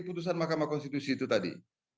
putusan mk itu tadi